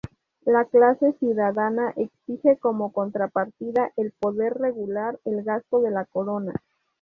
La clase ciudadana exige como contrapartida el poder regular el gasto de la corona.